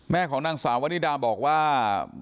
ของนางสาววนิดาบอกว่า